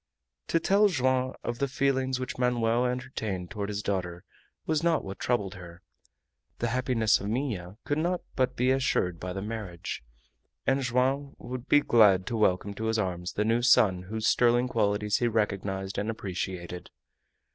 To tell Joam of the feelings which Manoel entertained toward his daughter was not what troubled her. The happiness of Minha could not but be assured by the marriage, and Joam would be glad to welcome to his arms the new son whose sterling qualities he recognized and appreciated.